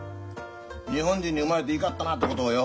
日本人に生まれていかったなってことをよ